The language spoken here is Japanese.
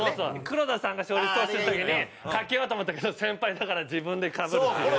黒田さんが勝利投手の時にかけようと思ったけど先輩だから自分でかぶるっていう。